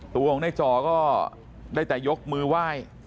ตัวของในจ่อก็ได้แต่ยกมือไหว้